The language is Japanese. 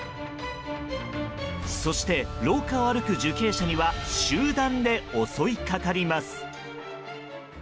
そして、廊下を歩く受刑者には集団で襲いかかります。